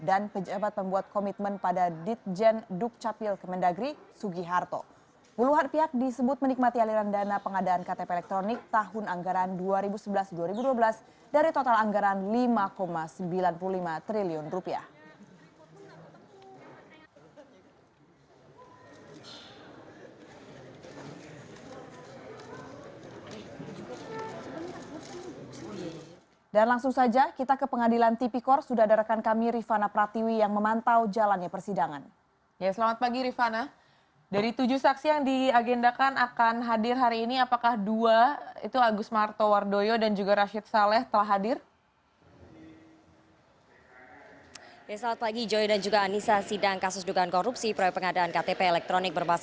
dan pejabat pembuat komitmen pada ditjen dukcapil kemendagri sugi harto